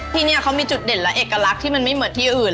ที่นี่เขามีจุดเด่นและเอกลักษณ์ที่มันไม่เหมือนที่อื่น